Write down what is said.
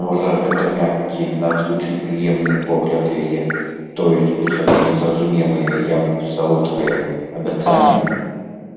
Можа, гэты мяккі, надзвычай прыемны погляд яе тоіць у сабе незразумелае яму салодкае абяцанне?